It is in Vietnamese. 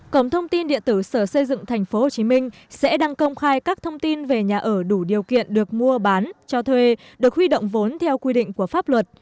cổng thông tin điện tử sở xây dựng tp hcm sẽ đăng công khai các thông tin về nhà ở đủ điều kiện được mua bán cho thuê được huy động vốn theo quy định của pháp luật